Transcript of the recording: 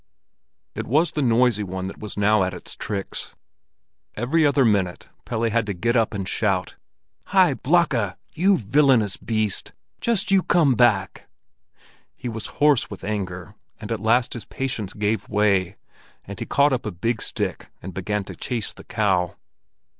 It was the noisy one that was now at its tricks. Every other minute Pelle had to get up and shout: "Hi, Blakka, you villainous beast! Just you come back!" He was hoarse with anger, and at last his patience gave way, and he caught up a big stick and began to chase the cow.